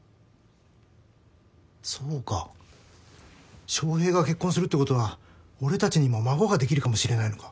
そうか翔平が結婚するってことは俺たちにも孫ができるかもしれないのか。